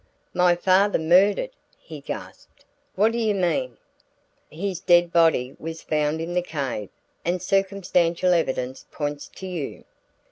"My father murdered!" he gasped. "What do you mean?" "His dead body was found in the cave, and circumstantial evidence points to you."